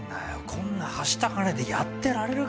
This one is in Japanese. こんなはした金でやってられるかよ。